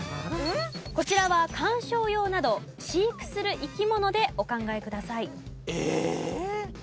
こちらは観賞用など飼育する生き物でお考えください。